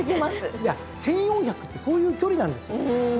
いや１，４００ってそういう距離なんですよ。